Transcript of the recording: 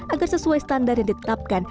agar sesuai standar yang ditetapkan